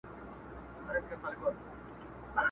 مسافري خواره خواري ده!